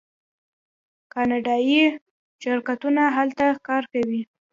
کاناډایی شرکتونه هلته کار کوي.